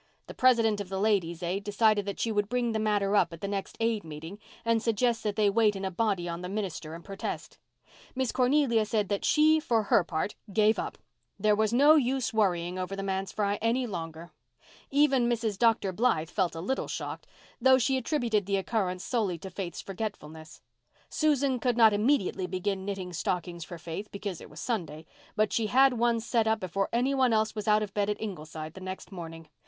The president of the Ladies' Aid decided that she would bring the matter up at the next Aid meeting, and suggest that they wait in a body on the minister and protest. Miss Cornelia said that she, for her part, gave up. There was no use worrying over the manse fry any longer. Even Mrs. Dr. Blythe felt a little shocked, though she attributed the occurrence solely to Faith's forgetfulness. Susan could not immediately begin knitting stockings for Faith because it was Sunday, but she had one set up before any one else was out of bed at Ingleside the next morning.